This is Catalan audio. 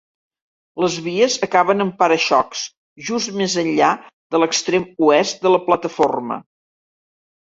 Les vies acaben en para-xocs just més enllà de l'extrem oest de la plataforma.